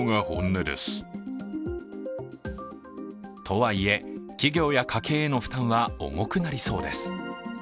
とはいえ企業や家計への負担は重くなりそうです。